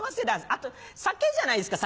酒じゃないですか